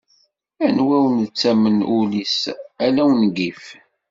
Anwa ur nettamen ul-is ala ungif.